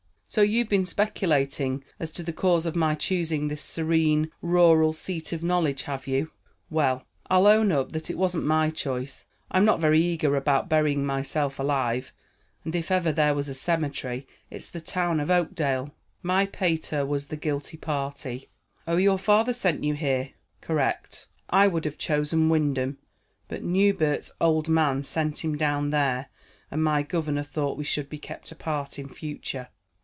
"So you've been speculating as to the cause of my choosing this serene, rural seat of knowledge, have you? Well, I'll own up that it wasn't my choice. I'm not very eager about burying myself alive, and if ever there was a cemetery, it's the town of Oakdale. My pater was the guilty party." "Oh, your father sent you here?" "Correct. I would have chosen Wyndham, but Newbert's old man sent him down there, and my governor thought we should be kept apart in future."